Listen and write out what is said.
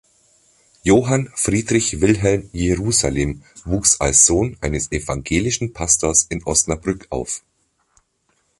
Johann Friedrich Wilhelm Jerusalem wuchs als Sohn eines evangelischen Pastors in Osnabrück auf.